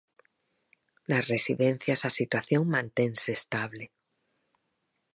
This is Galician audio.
Nas residencias a situación mantense estable.